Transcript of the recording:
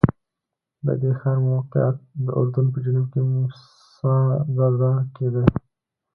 د دې ښار موقعیت د اردن په جنوب کې موسی دره کې دی.